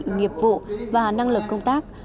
nghiệp vụ và năng lực công tác